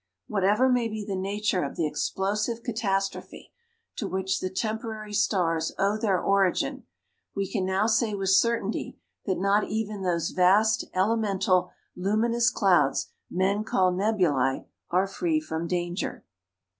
Whatever may be the nature of the explosive catastrophe to which the temporary stars owe their origin, we can now say with certainty that not even those vast elemental luminous clouds men call nebulæ are free from danger.